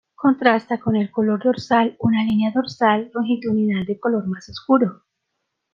Contrasta con el color dorsal una línea dorsal longitudinal de color más oscuro.